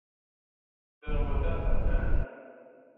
ذَواتا أَفنانٍ